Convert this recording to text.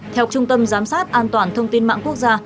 theo trung tâm giám sát an toàn thông tin mạng quốc gia